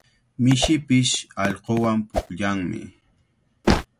Mishipish allquwan pukllanmi.